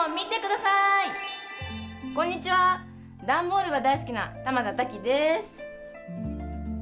だんボールが大好きな玉田多紀です。